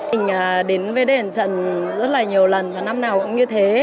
mình đến với đền trần rất là nhiều lần và năm nào cũng như thế